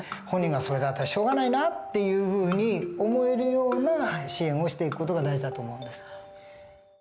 本人が「それだったらしょうがないな」っていうふうに思えるような支援をしていく事が大事だと思うんです。